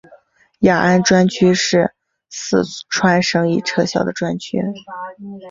雅安专区是四川省已撤销的专区。